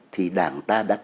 thì đảng ta đã thêm